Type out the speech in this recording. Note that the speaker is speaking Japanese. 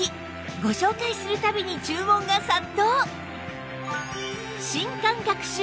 ご紹介する度に注文が殺到！